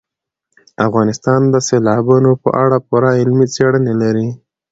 افغانستان د سیلابونو په اړه پوره علمي څېړنې لري.